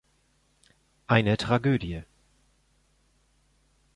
Eine Tragödie.